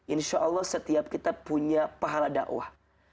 insya allah setiap kita punya pahala dakwah